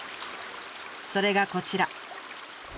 それがこちら。